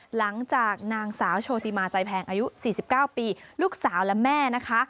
หลังจากนางสาวโชติมาใจแพงอายุ๔๙ปีลูกสาวและแม่นะคะ